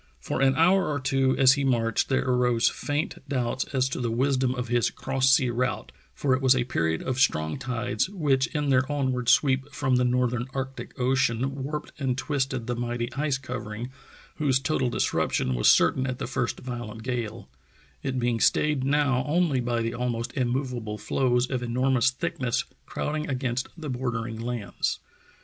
For an hour or two as he marched there arose faint 262 True Tales of Arctic Heroism doubts as to the wisdom of his cross sea route, for it was a period of strong tides which in their onward sweep from the northern Arctic Ocean warped and twisted the mighty ice covering, whose total disruption was certain at the first violent gale, it being stayed now only b}' the almost immovable floes of enormous thick ness crowded against the bordering lands.